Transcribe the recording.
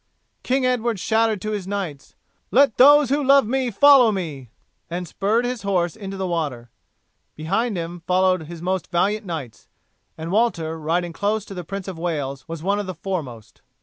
King Edward shouted to his knights, "Let those who love me follow me," and spurred his horse into the water. Behind him followed his most valiant knights, and Walter riding close to the Prince of Wales was one of the foremost.